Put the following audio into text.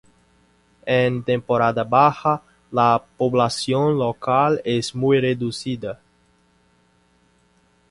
En temporada baja la población local es muy reducida.